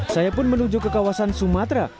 saya pun menuju ke kawasan sumatera